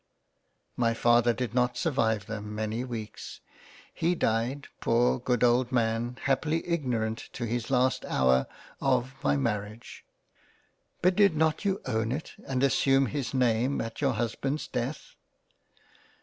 My Father did not survive them many weeks — He died, poor Good old man, happily ignor ant to his last hour of my Marriage.' " But did not you own it, and assume his name at your husband's death